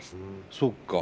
そっか。